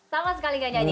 sama sekali nggak nyanyi